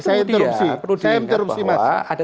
saya interupsi mas